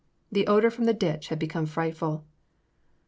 The odour from the ditch had become frightful.